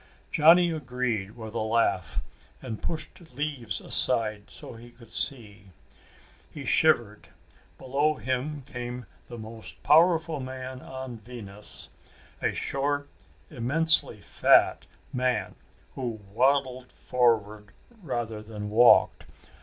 Johnny agreed with a laugh, and pushed leaves aside so he could see. He shivered. Below him came the most powerful man on Venus a short, immensely fat man, who waddled forward rather than walked.